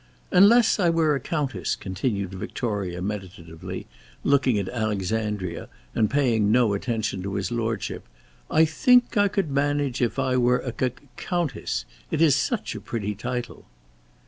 "Unless I were a Countess!" continued Victoria, meditatively, looking at Alexandria, and paying no attention to his lordship; "I think I could manage if I were a C c countess. It is such a pretty title!"